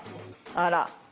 あら。